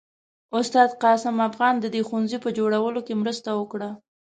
استاد قاسم افغان د دې ښوونځي په جوړولو کې مرسته وکړه.